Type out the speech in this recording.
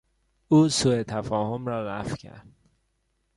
او سو تفاهم را رفع کرد.